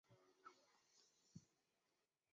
缘毛紫菀为菊科紫菀属的植物。